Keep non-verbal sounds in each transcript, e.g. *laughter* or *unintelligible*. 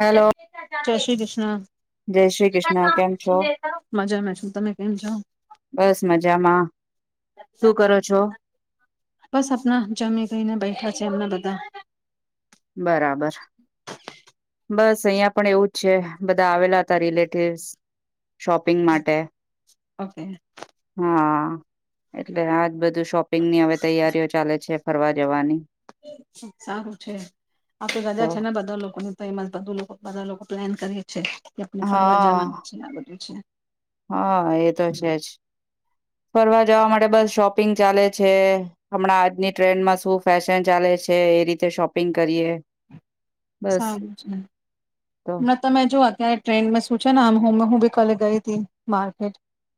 Hello Shri Krishna જય શ્રી કૃષ્ણ કેમ છો મજામાં છું તમે કેમ બસ મજામાં જાાવ શું કરો છો બસ આપણા જમી ગઈને બેઠા છે એમને બા બરાબર બસ અહિયાં પણ એવું જ છે બધા આવેલા હતા રિલેટિવસ શોપિંગ માટે ઓકે હા એટલે આજ બધું બધું શોપિંગ ની હવે તૈયારીઓ ચાલે છે ફરવા જવાની સારું છે આ તો રજા છે ને બધા લોકોને તો એમાં બધું લોકો બધા લોકો પ્લાન કરીએ છે આપણે ફરવા હા જવાનું છે આ બધું છે હા એ તો છેજ ફરવા જવા માટે બસ શોપિંગ ચાલે છે હમણાં આજની ટ્રેન્ડમાં શું ફેશન ચાલે છે એ રીતે શોપિંગ કરીએ બસ સારું છે તો મેતમેજોવા ક ટ્રેન્ડમાં શું છે આમ હું હું બી કલે ગઈ હતી માર્કેટ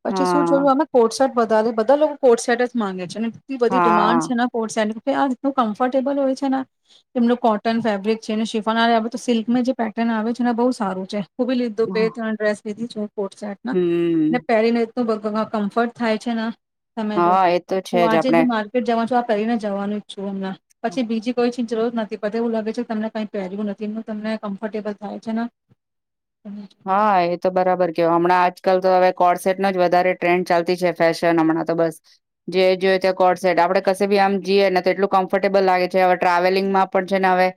પછી શું હા જોયું અમે કોસ્ટસેટ બધા બધા લોકો કોસસેટજ માંગે છે ને એટલી બઘી હા ડિમાન્ડ છે હા ને કોટસેટ ની અલા એટલુ બઘુ આ રીતું કફોટેબલ હોય છે ને એમનું કોટન ફેબ્રિક જે ને શિફેનઆવલેતો સિલ્કમાં જે પેટર્ન આવે છેને બહુ સારું છે ખૂબી લીધો પે ત્રણ ર્રેસ બધ છે ર્કોટસેટ હમ શટને પહેરીને તો કમ્ફર્ટ થાય છે ને તમે જો હા એ તો હું છે જ આજે આપણે બી માર્કેટ જવા છું આપ કરીને જવાનું ઈચ્છું હુણમણા પછી બીજી કોઈ ચિ જરૂર નથી પ એવું લાગે છે તમને કઈ પહેરવું નથી તમને કમ્ફર્ટેબલ થાય છે ને હા એ તો બરાબર કેવ હમણાં આજ આજકાલ તો હવે કોડસેટ ન જ વધારે ટ્રેન્ડ ચાલતી છે ફેશન હમણાં તો બસ જે જોઈએ તે કોડસેટ આપણે કશે બી આમ જઈએ ને તો એટલું કમ્ફર્ટેબલ લાગે છે હવે ટ્રાવેલિંગમાં પણ છે ને હવે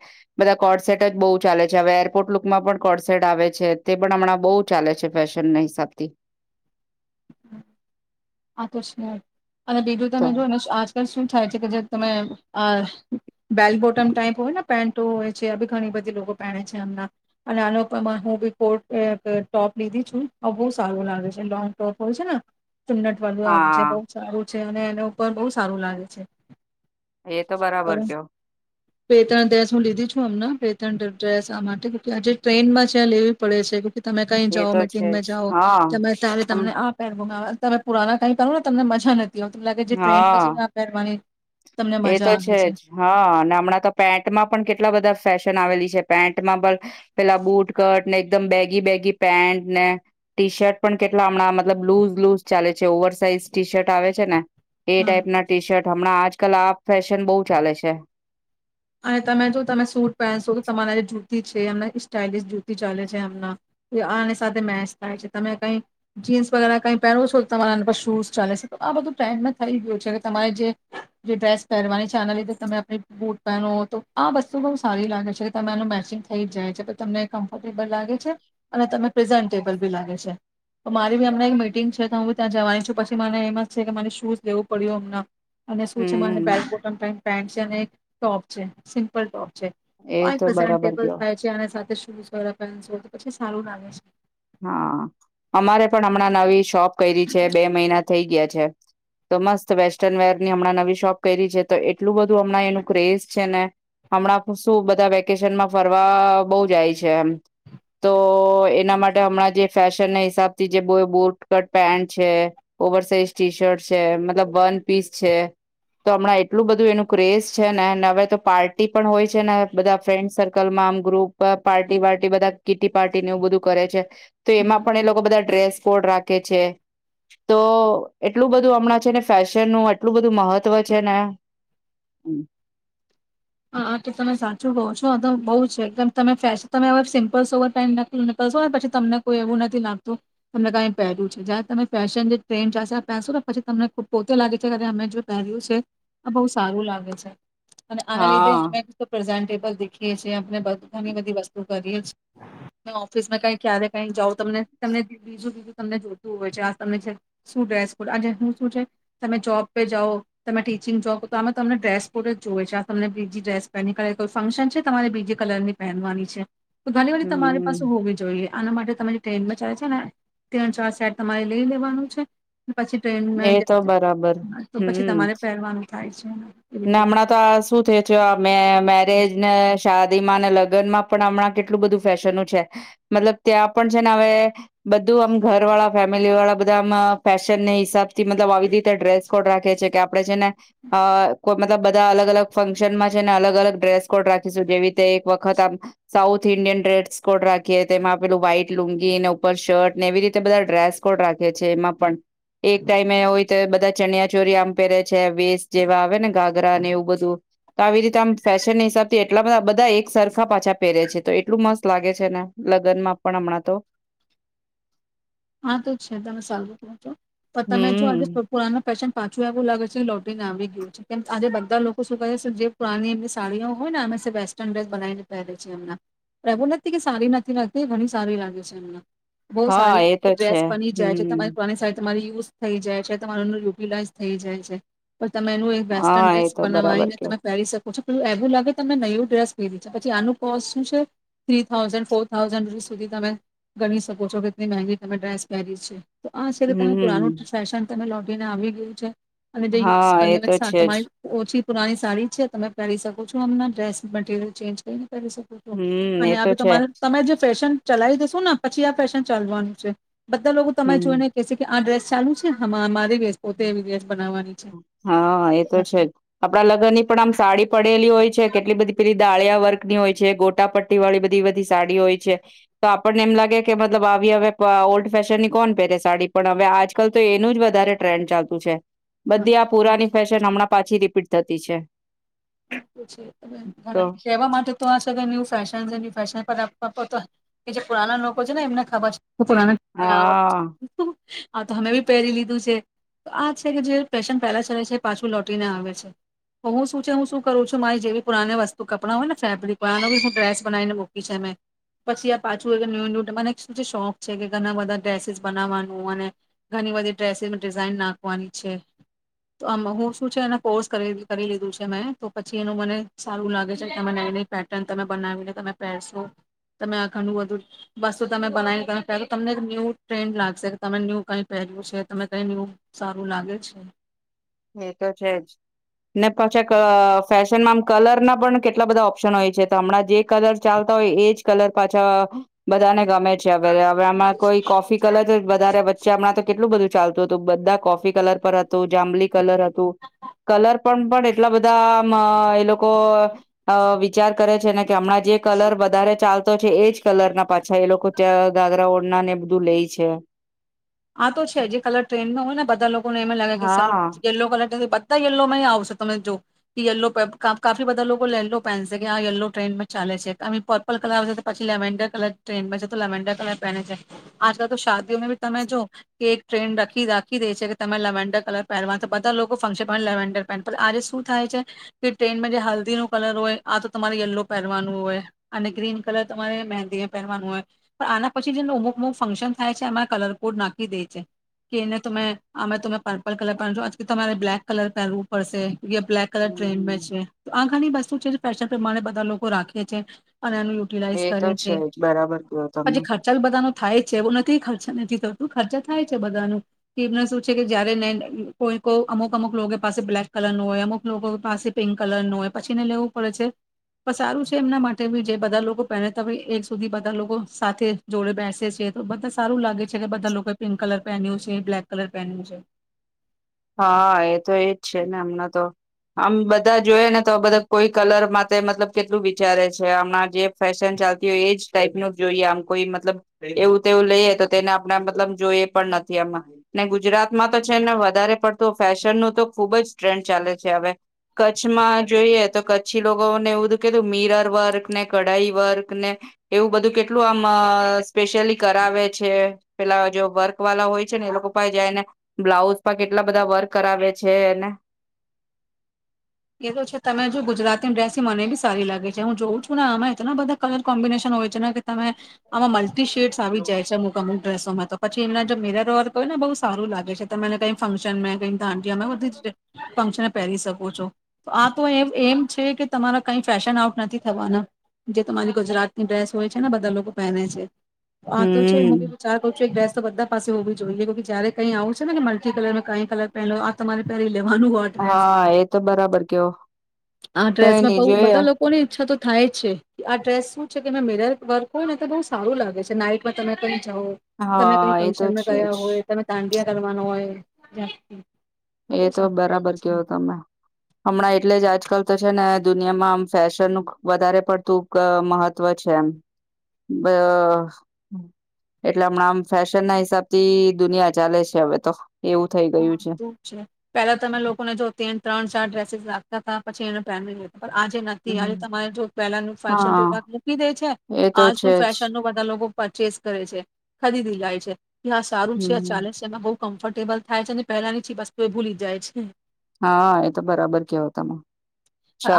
બધા કોડસેટ જ બહુ ચાલે છે હવે એરપોર્ટ લુકમાં પણ કોડસેટ આવે છે તે પણ હમણાં બઉુ ચાલે છે ફેશનના હિસાબથી આકર્ષણ અને બીજું તો તમે જોને આજકાલ શું થાય છે કે જે તમે અ બેલ બોટમ ટાાઈપ હોય ને પેન્ટો હોય છે આ બી ઘણી બધી લોકો પહેરે છે એમનાં અને આનો હું બી કોટ ટોપ લીધી છું આબહુ સારું લાગે છે લો તો પ છે ટુંનટ વાળું જે બહ હા સારું છે અને એને ઉપર બહુ સારું લાગે છે એ તો બરાબર કયો પે ત્રણ દ્રેસ હું લીધી છું અમને પે ત્રણ દ્રેસ આ માટે આજે ટ્રેનમાં છેં લેવી પડે છે કે તમે કઈ એ જાઓ તો છે મિટિંગમાં જ જાઓ હા તમે ત્યારે હમ તમને આ પહેરવ તમે પુરાના કઈ કરો ને તમને મજા નથી ત ત લાગે છે ટ્રેન્ડમાં હા છે પહેરવાની તમને એ મજા તો આવે છે જ હા અને હમણાં તો પેન્ટમાં પણ કેટલા બધા ફેશન આવેલી છે પેન્ટમાં પણ પેલા બુટ કટ ને એકદમ બેગી બેગી પેન્ટ ને ટી શર્ટ પણ કેટલા હમણાં મતલબ લુઝ લુઝ ચાલે છે ઓવર સાઇઝ ટી શર્ટ આવે છે ને એ હા ટાઈપ ના ટી શર્ટ હમણાં આજ કલા ફેશન બહુ ચાલે છે અને તમે જો તમે સૂટ પહેનશો તો તમારા જે જતી છે એમને સ્ટઇલિશ જુતી ચાલે છે એમના આની સાથે મેચ થાય છે તમે કઈ જીન્સ વગે કઈ પહેરવો છો તમારા આ પર શૂઝ ચાલે છે તો આ બધું ટ્રેન્ડમાં થઈ ગયું છે કે તમારે જે જે ડ્રેસ પહેરવાની છે આના લીધે તમે આપણી બૂટ નો તો આ વસ્તુ બહુ સારી લાગે છે કે તમે એનું મેચિંગ થઈ જ જાય છે પણ તમને કમ્ફર્ટેબલ લાગે છે અને તને પ્રેઝન્ટેબલ બી લાગે છે તો મારી બી અમને એક મીટિંગ છે તો હું બી ત્યાં જવાની છું પછી મને એમ જ છે કે મારે શૂઝ લેવું પડ્યું અમને અને શું છે મને હમ બેક બોટન પે પન્શ અને એક ટોપ છે સિમ્પલ ટોપ છે એ તો જ બરાબર ટેબલ કયો થાય છે અને સાથે સો પસો તો પછી સારું લાગે છે હા કરી છે બે મહિના થ ગયા છે તો મસ્ત વેસ્ટર્ન વરની હમણાં નવી શોપ કરી છે તો એટલું બધું હમણાં એનું ક્રેઝ છે ને હમણાં શ બધા વેકેશનમાં ફરવા બહ જાય છે એમ તો એના માટે હમણાં જે ફેશન ના હિસાબ થી જે બ બોટ કટ પેન્ટ છે ઓવર સાઇઝ ટી શર્ટ છે મતલબ વન પીસ છે તો હમણાં એટલું બધું એનું ક્રેઝ છે ને હવે તો પાર્ટી પણ હોય છે ને બધા ફ્રેન્ડ સર્કલમાં આમ ગ્રુપ પાર્ટી વાર્્ટ બધા કીટી પાર્ટીને એવું બધું કરે છે તો એમાં પણ એ લોકો બધા ડ્રેસ કોડ રાખે છે તો એટલું બધું હમણાં છે ને ફેશનનું એટલું બધું મહત્વ છે ને હા તો તમે સાચું કહો છો આ તો બહુ છેદમ તમે ફન તમે હવે સિમ્પલ સોવર પેન્ટ ન નીકળશો ને પછી તમને કોઈ એવું નથી લાગતું તમને કંઈ પહેર્યું છે જયારે તમે ફેશન જે ટ્રેન્ડશે આ પહેરશો ને પછી તમને ખૂબ પોતે લાગે છે અમે જો પહેર્યું છે આ બહુ સારું લાગે છે આ હા હમે પ્રેઝન્ટ દેખીએ છ છેએ ઘણી બધી વસ્તુ કરીએ છે ઓફિસમાં કઈ ક્યારે કઈ જાઓ તમ તમ બીજું બીજું તમને જોતું હોય છે આ તમને શું ડ્રેસ કોડ આજે હું શું છે તમે જોબ પે જાઓ તમે ટીચિંગ જો તો આ તમને ડ્રેસ કોડ જ જોયવે છે તમને બીજી ડ્રેસ પહેની કરે કોઈ ફંક્શન છે તમારે બીજી કલર ની પહેનવાની છે તો ઘણી બધ તમારી પાસે હમ્મ હોવી જોઈએ આના માટે તમારી ટ્રેનમાં ચાલે છે ને ત્રણ ચાર સાઈડ તમારે લઈ લેવાનું છે પછી એ ટ્રેનમાં જ તો બરાબર તો પછી તમારે પહેરવાનું થાય છે એવી રીતે નામણા ત શું થ થ મેરેજ ને શાદીમાંને લગનમાં પણ હમણાં કેટલું બધું ફેશન છે મતલબ ત્યાં પણ છે ને હવે બધું આમ ઘર વાળા ફેમિલી વાળા બધામ ફેશન હિસાબ થી મતલબ આવી રીતે ડ્રેસ કોડ રાખે છે કે આપડે છે ને અ કોઈ મતલબ બધા અલગ અલગ ફંક્શનમાં છે ને અલગ અલગ ડ્રેસ કોડ રાખીશું જેવી રીતે એક વખત આમ સાઉથ ઈન્ડિયન ડ્રેસ કોડ રાખીએ તો એમાં આપેલું વ્હાઈટ લુંગી ને ઉપર શર્ટ ને એવી રીતે બધા ડ્રેસ કોડ રાખે છે એમાં પણ એક ટાઈમે એ હોય તો બધા ચનિયા ચોરી આમ પહેરે છે વેસ્ટ જેવા આવે ને ગાગરા ને એવું બધું તો આવી રીતે આમ ફેશન હિસાબથી એટલાધ બધા એક સરફા પાછા પહેરે છે તો એટલું મસ્ત લાગે છેને લગ્નમાં પણ હમણાં તો હા તો છે તમે સાલું કરો તો તો તમે જો આજે હમ થ પુરા ફેશન પાછું એવું લાગે છે લોટીને આવી ગયું છે કેમ આજે બધા લોકો શું કહે છે જે પુણી એમની સાડીઓ હોય ને અમે વેસ્ટર્ન ડ્રેસ બનાવીને પહેરે છે એમના પણ એવું નથી કે સારી નથી લાગતી એ ઘણી સારી લાગે છે એમને બહુ હા સારી એ તો છે ડ્રેસ બની જાય છે હમ તમારી પોની સા તમારી યુઝ થઈ જાય છે તમારોર યુટિલાઈઝ થઈ જાય છે પણ તમે એનું એક હા વેસ્ટર્ન એ ડ્રેસ તો બનાવાઈ બરાબર ને કયો તમે પહેરી શકો ઓછ પેલું એવું લાગે તમે નયું ડ્રેસ કીધી છે પછી આનું કોસ્ટ શું છે થ્રી થાઉઝન્ડ ફોર થાઉઝન્ડ ર સુધી તમે ગણી શકો છો કેટલી મગી તમે ડ્રઇસ પેરી છે તો આ છે કે તમે હમ પુરાણું ફેશન તમે લોટીને આવી ગયું છે અને જે યુઝ હા એ તો વ છે તમારી જ ઓછી પુરાની સાડી છે તમે પહેરી શકો છો અમના ડ્રેસ મટરિયલ ચેન્જ કરીને કરી શકો છો હમ અને એ આ તો છે તમારે તમે જે ફેશન ચલાવી દસુ ને પછી આ ફેશન ચાલવાનું છે બધા લોકો તમામે જોઈ હમ ને કહે છે કે આ ડ્રેસ ચાલુ છે હ હા એ તો આ છે હા આપડા લગ્ન ની પણ આમ સાડી પડેલી હોય છે કેટલી બધી પી દાળિયા વર્ક ની હોય છે ગોટા પટ્ટી વાળી બધી બધી સાડી હોય છે તો આપણને એમ લાગે કે મતલબ આવી હવે ઓલ્ડ ફેશનની કોણ પહેરે સાડી પણ હવે આજકાલ તો એનું જ વધારે ટ્રેન્ડ ચાલતુ છે બધ આ પુરાની ફેશન હમણાં પાછી રીપીટ થતી છે તો કવા માટે તો આ ન ફેશન ફેશનપ તો કે જે પુરા લોકો છે ને એમને ખબર છે *inaudible* હા આા તો અમે બી પહેરી લીધું છે તો આ છે કે જે ફેશન પહેલા ચલે છે પાછું લ લોટીને આવે છે તો હું શું હું શું કરું છું મારી જેવીુરાણે વસ્તુ કપડાં હોય ને ફેબ્રિક બી ડ્રેસ બનાવીને મૂકી છે મે પછી આ પાછુંય કે ન્યુ ન્યુ મને શું છે શોખ છે કે ઘણા બધા ડ્રેસીસ બનાવાનું અને ઘણી બધી ડ્રેસીસ ડિઝઇન નાખવાની છે તો આ હું શું છે એના કોર્સ કરી લીધું છ તો પછી એનું મને સારું લાગે છે કે તમે નવી નવી પેટર્ન તમે બનાવીને તમે પહેરશો તમે આ ઘનુંું બધું વસ્તુ તમે બનાવીને તમે પહેરશ તમને એક ન્યૂ ટ્રેન્ડ લાગશે કે તમે ન્યુ કઈ પહેરવ્યું છે તને કઈ ન્યૂ સારું લાગે છે એ તો છે જ ને પાછા ફેશનમાં આમ કલર ના પણ કેટલા બધા ઓપ્શન હોય છે તો હમણાં જે કલર ચાલતા હોય એજ કલર પાછા બધાને ગમે છે હવે આમાં કોઈ કોફી કલર વધારે વચ્ચે આપણા તો કેટલું બધું ચાલતું હત બધા કોફી કલર પર હતો જાંબલી હતું કલર પણ પણ એટલા બધા એ લોકો વિચાર કરે છે કે હમણાં જે કલર વધારે ચાલ તો છે એજ કલર ના પાછા એ લોકો ત્યાં ગાગરા ઓળના ને બધું લે છે આ તો છે જે કલર ટ્રેનમાં હોય ને બધા લોકોને એમે લાગે કે સ હા યલો કલર બધા યલો માં આવશે તમે જો યલો કાફી બધા લોકો લેલ્લો પહેનશે કે આ યલો ટ્રેન્ન માં ચાલે છે અ પર્પલ કલર આવશે પછી લેવેન્ડર કલર ટ્રેનમાં છે તો લેવેન્ડર કલર પહેને છે આજકાલ તો શાદીઓમાં બી તમે જો એક ટ્રેન રાખી રાખી દે છે કે તમે લેવેન્ડર કલર પહેરવા તો બધા લોકો ફંક્શન લેવેન્ડર પહે આજે શું થાય છે કે ટ્રેનમાં જે હલ્દી નો કલર હોય આ તો તમારે યલો પહેરવાનું હોય અને ગ્રીન કલર તમારે મહેંદીને પહેરવાનું હોય પણ આના પછી જે ઉમુકમુક ફંક્શન થાય છે એમાં કલર કુડ નાખી દે છેે કેને તમે અ તમે પર્પલર પહેન આજ તમારે બ્લલેક કલર પહેનવું પડસે બ્લેક કલર ટ્રેનમાં છે તો આ ઘાની બસ્તુ છે ફેશન પ્રમાણે બધા લોકો રાખીે છે અને એનું એ યુટિલાઈઝ તો કરે છે જ બરાબર કયો તમે. પછી ખર્ચાાલ બધાનો થાય છે નથી ખર્ચા નથી થતો ખર્ચા થાય છે બધાનું કે એમને શું છે કે જયારેને કોઈ કો અમુક અમુક લોકો પાસે બ્લેક કલર નો હોય અમુક લોકો પાસે પિંક કલર નો હોય પછી ને લેવું પડે છે પણ સારું છે એમના માટે બી જે બધા લોકો પહે તો એક સુધી બધા લોકો સાથે જોડે બેસે છે તો બધા સારું લાગે છે કે લોકો પિંક કલર પહેન્યું છે બ્લેક કલર પહેનર્યું છે હા એ તો એજ છે ને એમના તો આમ બધા જ જોઈ ને તો આ બધા કોઈ કલર મતલબ કેટલું વિચારે છે હમણાં જે ફેશન ચાલતી હોય એજ ટાઈપ નું જોઈએ આમ કોઈ મતલબ એવું તેવું લઈએ તો તેને આપણા મતલબ જોઈએ પણ નથી આમાં ને ગુજરાતમાં તો છેને વધારે તો ફેશન ન તો ખુબ જ ટ્રેન્ડ ચાલે છે હવે કચ્છમાં જોઈએ તો કચ્છી લોકોને એવું બધું કધું મીરર વર્ક ને કઢાઈ વર્ક ને એવું બધું કેટલું આમ સ્પેશિયલી કરાવે છે પેલા જો વર્ક વાળા હોય છે ને એ લોકો પાસે જાયને બ્લાઉઝ કે એટલા બધા વર્ક કરાવે છે એને એ તો છે તમે જો ગુજરાતીની ડ્રેસ મને બી સારી લાગે છે હું જોઉં છું ને આમાં એટલા બધા કલર કોમ્બિનેશન હોય છે કે તમે આમાં મ શેટ આવી જાય છે મુ મુ ્રેસોમાં તો પછી એમના જો મે રર હોય ને બહુ સારું લાગે છે ત મને કઈ ફંક્શન માં કઈ તા ફંક્શન પહેરી શકો છો આ તો એ એમ છે કે તમારા કઈ ફેશન આઉટ નથી થવાના જે તમારી ગુજરાતની ડ્રેસ હોય છે ને બધા લોકો પહેને છે હા તોું છે હમ હુંી વિચાર કરું છું એક તો બધા પાસે હોવું જોઈએ જય કઈ આવું છે ને કે મલ્ટ કલર કઈ કલર પહે આ તમારે પહેરી લેવાનું કોડરેસ હા એ તો બરાબર કેવો કઈ નહી બઉ બધા જોયા લોકોની ઈચ્છા તો થાય છે આ ડ્રેસ શું છે કે મિરર વર્ક હોય ને તો બહુ સારું લાગે છે નાઈટમાં તમે કઈ તમે કઈ હા એ તો ફંક્શનમાં છે ગયા જ હોય તમે દાંડિયા કરવાનું હોય આ એ બહુ તો સારું લાગે બરાબર છે કેવો તમે હમણાં એટલે જ આજકાલ તો છે ને દુનિયામાં આમ ફેશનનું વધારે પડતું મહત્વ છે એમ એટલે હમણાં આમ ફેશન ના હિસાબ થી દુનિયા ચાલે છે હવે તો એવું થઇ હા ગયું છે તું પેલા તમે લોકોને જો ત ત્રણ ચાર ડ્રેસીસ રાખતા હતા પછી એને પેન લ પણ આજે નથી આજે હમ તમારે જો પેલાનું ફેશન તો હા મૂકી દે છે એ તો છે આજનું જ ફેશન ન બધા લોકો પચીસ કરે છે ખરીદી જાય છે. કે હ સારું છે હમ ચાલે છે ને હો. કમ્ફર્ટેબલ થાય છે ને પહેલા ની જી બસ્તુ એ ભૂલી જાય છે. હા એ તો બરાબર કેવો તમે.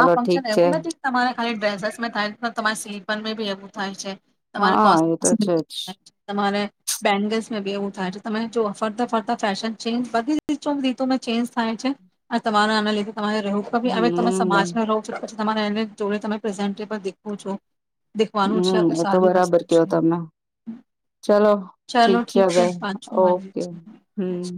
આ ઠીક ફંક્શન છે એવું નથી તમારે ખાલી ડ્રેસેસ મેં થાય તમારે સિલ્પન મે બી એવું થાય છે. તમારે હા કો એ તો છે જ *unintelligible* તમારે બેંગલ્સ મેબી એવું થાય છે તમે જો ફરતા ફરતા ફેશન ચેજ બધી રી *unintelligible* ચેન્જ થાય છે અને તમારે એ લીધું તમારે રહેવું તો બી અવે તમે હમ સમાજને રહો છો. તમારે એને જોડે તમે પ્રેઝન્ટએબલ દેખો છો. દેખવાનું હમ્મ છે એ તો સારી બરાબર વસ્તુ કયો છે તમે ચલો ઠીક ચાલો છે હવે પાછું મળીએ ઓકે છે. હમ્મ.